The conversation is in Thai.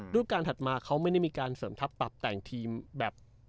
รูปการณถัดมาเขาไม่ได้มีการเสริมทัพปรับแต่งทีมแบบ